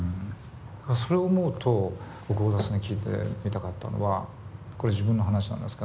それを思うと僕小田さんに聞いてみたかったのはこれ自分の話なんですけどもあるメロディー